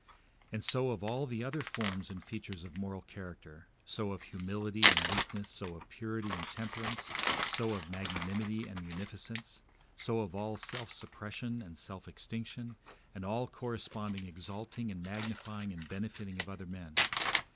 And so of all the other forms and features of moral character; so of humility and meekness, so of purity and temperance, so of magnanimity and munificence, so of all self suppression and self extinction, and all corresponding exalting and magnifying and benefiting of other men.